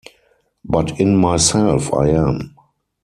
But in myself I am.